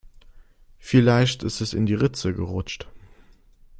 Vielleicht ist es in die Ritze gerutscht.